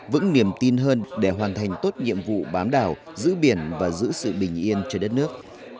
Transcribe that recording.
vững niềm tin hơn để hoàn thành tốt nhiệm vụ bám đảo giữ biển và giữ sự bình yên cho đất nước